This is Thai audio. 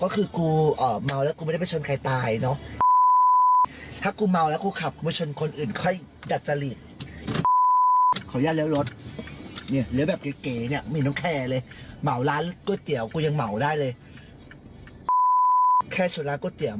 กูขึ้นรถพักกูยิ่งดังกูไม่แคร์หรอก